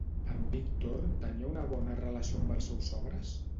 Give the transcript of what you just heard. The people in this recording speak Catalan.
En Víctor tenia una bona relació amb els seus sogres?